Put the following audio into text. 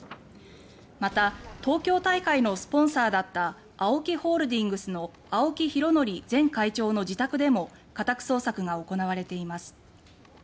また東京大会のスポンサーだった「ＡＯＫＩホールディングス」の青木拡憲前会長の自宅でも家宅捜索が行われています。